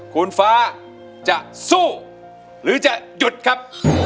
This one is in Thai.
คุณฟ้าจะสู้หรือจะหยุดครับ